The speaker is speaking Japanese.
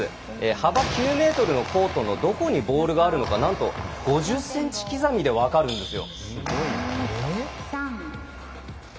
幅９ｍのコートのどこにボールがあるのか何と５０ｃｍ刻みで分かるんですよ。